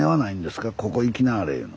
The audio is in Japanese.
ここ行きなはれいうの。